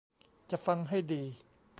จะฟังให้ดี